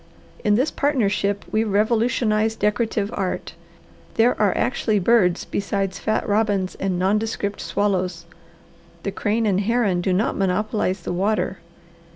In this partnership we revolutionize decorative art. There are actually birds besides fat robins and nondescript swallows. The crane and heron do not monopolize the water.